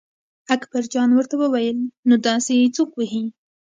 اکبرجان ورته وویل نو داسې یې څوک وهي.